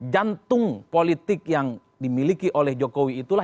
jantung politik yang dimiliki oleh jokowi itulah